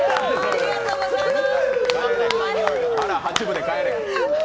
ありがとうございます。